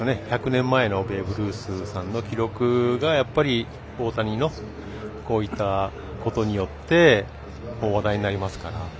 １００年前のベーブ・ルースさんの記録が大谷のこういったことによって話題になりますから。